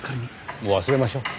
もう忘れましょう。